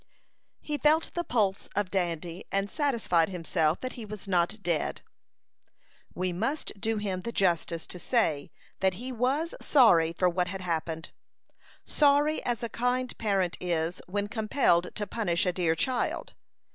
He felt the pulse of Dandy, and satisfied himself that he was not dead. We must do him the justice to say that he was sorry for what had happened sorry as a kind parent is when compelled to punish a dear child.